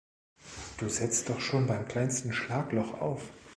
Du setzt doch schon beim kleinsten Schlagloch auf.